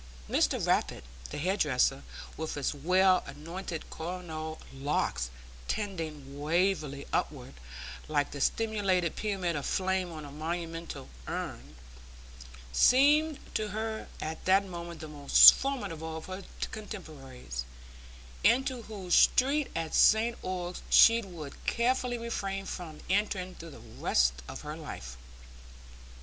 Mr Rappit, the hair dresser, with his well anointed coronal locks tending wavily upward, like the simulated pyramid of flame on a monumental urn, seemed to her at that moment the most formidable of her contemporaries, into whose street at St Ogg's she would carefully refrain from entering through the rest of her life.